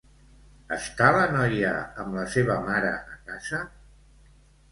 Està la noia amb la seva mare a casa?